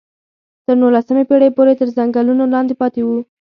تر نولسمې پېړۍ پورې تر ځنګلونو لاندې پاتې وو.